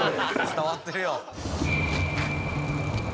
伝わってるよ